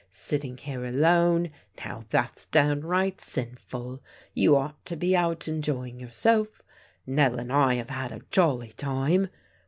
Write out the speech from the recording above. Sitting here alone ? Now, that's downright sinful. You ought to be out enjoying yourself. Nell and I have had a jolly time.